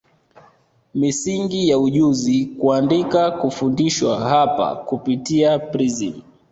Misingi ya ujuzi kuandika kufundishwa hapa kupitia prism